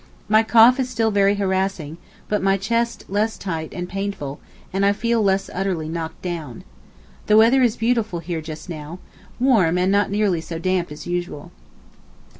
My cough is still very harassing, but my chest less tight and painful, and I feel less utterly knocked down. The weather is beautiful here just now—warm and not nearly so damp as usual.